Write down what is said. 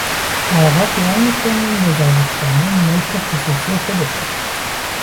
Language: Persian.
آقا خیال میکنه این وزارتخانه ملک خصوصی خودشه!